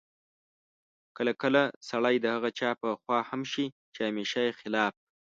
کله کله سړی د هغه چا په خوا هم شي چې همېشه یې خلاف